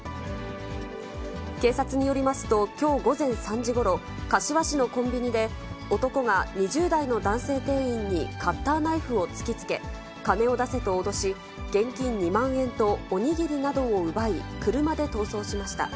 警察によりますと、きょう午前３時ごろ、柏市のコンビニで、男が２０代の男性店員にカッターナイフを突きつけ、金を出せと脅し、現金２万円とお握りなどを奪い、車で逃走しました。